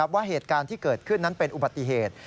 ว่าเหตุการณ์ที่เกิดขึ้นนั้นเป็นอุบัติเหตุ